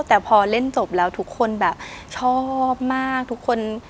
แต่พอเล่นจบแล้วทุกคนแบบชอบมากทุกคน